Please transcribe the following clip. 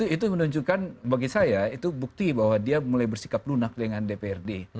itu menunjukkan bagi saya itu bukti bahwa dia mulai bersikap lunak dengan dprd